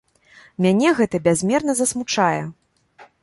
Мяне гэта бязмерна засмучае.